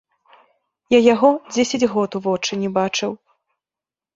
Я яго дзесяць год у вочы не бачыў.